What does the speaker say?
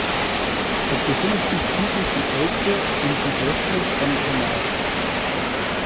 Es befindet sich südlich von Elze und südwestlich von Gronau.